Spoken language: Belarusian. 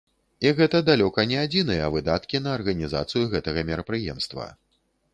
І гэта далёка не адзіныя выдаткі на арганізацыю гэтага мерапрыемства.